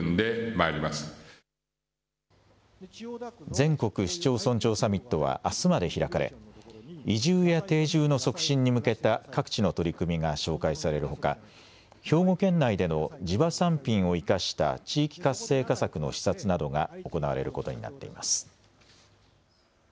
全国市町村長サミットはあすまで開かれ移住や定住の促進に向けた各地の取り組みが紹介されるほか兵庫県内での地場産品を生かした地域活性化策の視察などが行われることになっています。